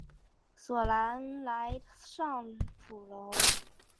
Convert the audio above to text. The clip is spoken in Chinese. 索尔莱尚普隆。